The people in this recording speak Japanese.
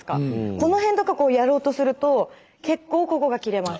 この辺とかやろうとすると結構ここが切れます。